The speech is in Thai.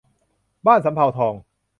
บ้านสำเภาทอง